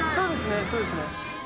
そうですね。